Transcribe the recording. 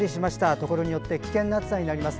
ところによって危険な暑さになります。